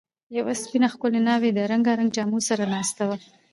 یوه سپینه، ښکلې ناوې د رنګارنګ جامو سره ناسته وه.